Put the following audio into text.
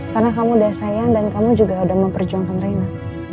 karena kamu udah sayang dan kamu juga udah memperjuangkan rena